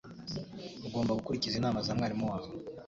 Ugomba gukurikiza inama za mwarimu wawe.